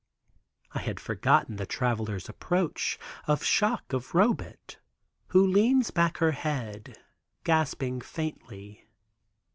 I had forgotten the Traveler's approach, of shock to Robet, who leans back her head gasping faintly.